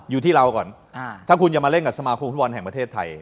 อยู่ที่เราก่อนถ้าคุณจะมาเล่นกับสมาคมฟุตบอลแห่งประเทศไทย